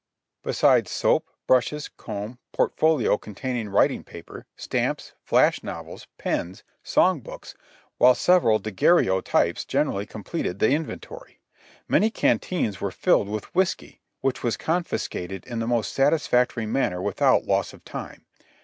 besides soap, brushes, comb, portfolio containing writing paper, stamps, flash novels, pens, song books, while several daguerreotypes generally com pleted the inventory. Many canteens were filled with whiskey, which was confiscated in the most satisfactory manner without loss of time.